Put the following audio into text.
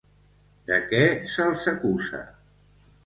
De què se'ls acusa?